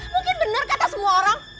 mungkin benar kata semua orang